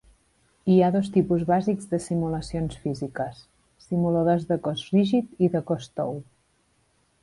Hi ha dos tipus bàsics de simulacions físiques; simuladors de cos rígid i de cos tou.